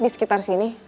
di sekitar sini